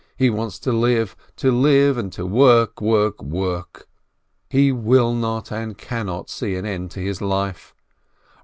He wants to live ! To live and to work, work, work ! He will not and cannot see an end to his life!